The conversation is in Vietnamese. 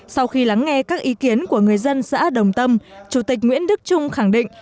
sau khi lắng nghe các ý kiến của người dân xã đồng tâm chủ tịch nguyễn đức trung khẳng định